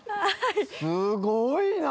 すごいな！